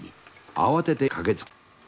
慌ててかけつけた。